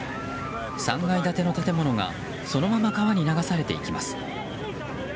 ３階建ての建物がそのまま川に流されていきます。